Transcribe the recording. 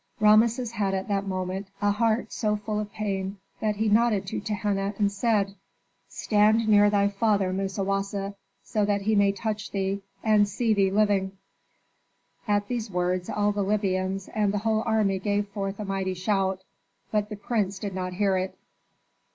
Rameses had at that moment a heart so full of pain that he nodded to Tehenna, and said, "Stand near thy father Musawasa, so that he may touch thee, and see thee living." At these words all the Libyans and the whole army gave forth a mighty shout; but the prince did not hear it.